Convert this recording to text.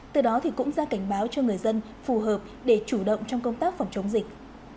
từ đó cũng ra cảnh báo cho người dân phù hợp để chủ động trong công tác phòng chống dịch